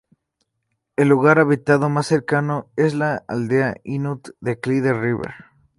El lugar habitado más cercano es la aldea inuit de Clyde River.